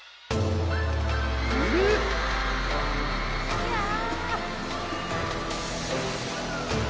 いやあ！